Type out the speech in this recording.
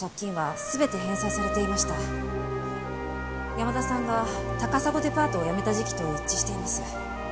山田さんが高砂デパートを辞めた時期と一致しています。